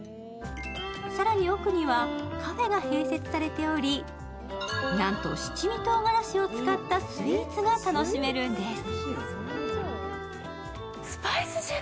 更に奥にはカフェが併設されておりなんと七味とうがらしを使ったスイーツが楽しめるんです。